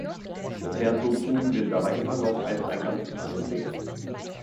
Das Herzogtum wird dabei immer noch als ein Ganzes angesehen.